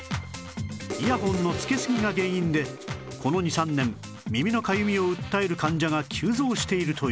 イヤホンのつけすぎが原因でこの２３年耳のかゆみを訴える患者が急増しているという